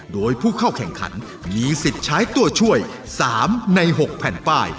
โดยผู้เข้าแข่งขันมีสิทธิ์ใช้ตัวช่วย๓ใน๖แผ่นป้าย